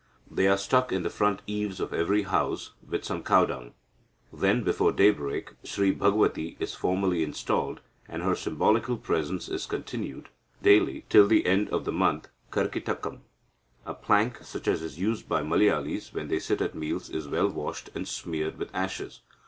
They are stuck in the front eaves of every house with some cow dung. Then, before daybreak, Sri Bhagavathi is formally installed, and her symbolical presence is continued daily till the end of the month Karkitakam. A plank, such as is used by Malayalis when they sit at meals, is well washed, and smeared with ashes.